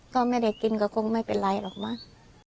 ก็ไม่ได้กินก็คงไม่เป็นไรหรอกมั้ง